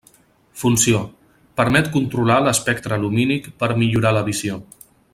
Funció: permet controlar l'espectre lumínic per millorar la visió.